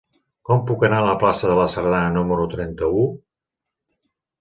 Com puc anar a la plaça de la Sardana número trenta-u?